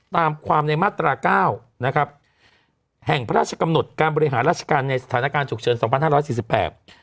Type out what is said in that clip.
ตามความในมาตราเก้านะครับแห่งพระราชกำหนดการบริหารราชการในสถานการณ์ฉุกเฉินสองพันห้าร้อยสี่สิบแปด